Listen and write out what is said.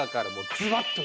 ズバッと！